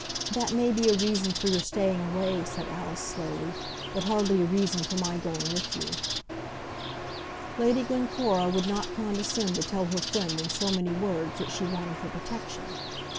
"That may be a reason for your staying away," said Alice, slowly, "but hardly a reason for my going with you." Lady Glencora would not condescend to tell her friend in so many words that she wanted her protection.